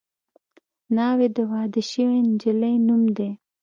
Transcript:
ناوې د واده شوې نجلۍ نوم دی